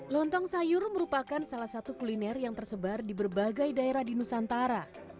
lontong sayur merupakan salah satu kuliner yang tersebar di berbagai daerah di nusantara